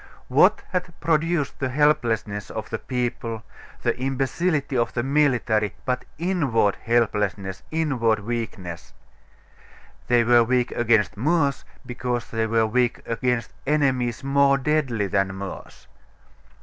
What had produced the helplessness of the people, the imbecility of the military, but inward helplessness, inward weakness? They were weak against Moors, because they were weak against enemies more deadly than Moors.